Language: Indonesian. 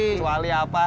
kecuali apa yuk